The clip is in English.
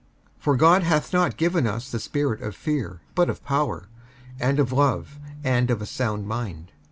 55:001:007 For God hath not given us the spirit of fear; but of power, and of love, and of a sound mind.